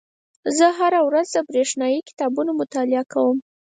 زه هره ورځ د بریښنایي کتابونو مطالعه کوم.